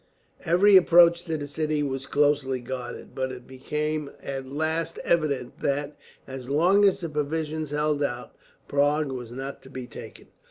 Every approach to the city was closely guarded, but it became at last evident that, as long as the provisions held out, Prague was not to be taken.